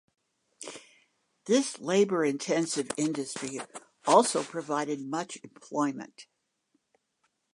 This labour-intensive industry also provided much employment.